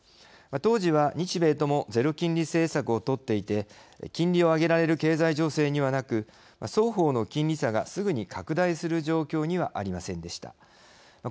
当時は、日米ともゼロ金利政策をとっていて金利を上げられる経済情勢にはなく双方の金利差がすぐに拡大する状況にはありませんでした。